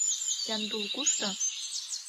Яндул кушто?